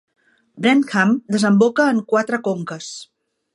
Wrentham desemboca en quatre conques.